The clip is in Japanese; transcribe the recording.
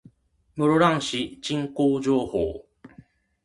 室蘭市人口情報